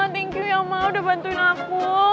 thank you mama udah bantuin aku